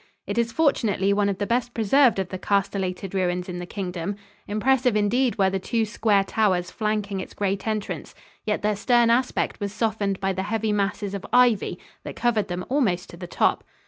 It is fortunately one of the best preserved of the castellated ruins in the Kingdom. Impressive indeed were the two square towers flanking its great entrance, yet their stern aspect was softened by the heavy masses of ivy that covered them almost to the top.